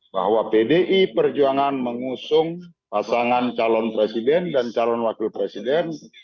bahwa pdi perjuangan mengusung pasangan calon presiden dan calon wakil presiden